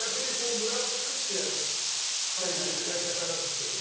むらを作ってやるっていうやり方なんですけど。